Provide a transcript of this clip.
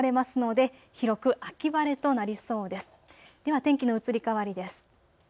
では天気の移り変わりです。